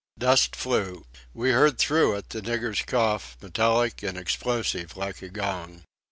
Dust flew. We heard through it the nigger's cough, metallic and explosive like a gong.